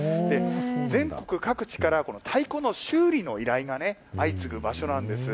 全国各地からこの太鼓の修理の依頼がね、相次ぐ場所なんです。